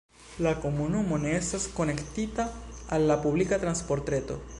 La komunumo ne estas konektita al la publika transportreto.